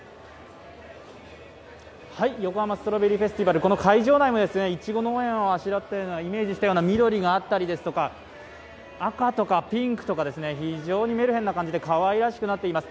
ヨコハマストロベリーフェスティバル、この会場内もいちご農園をイメージしたような緑があったりですとか赤とかピンクとか、非常にメルヘンな感じでかわいらしくなっています。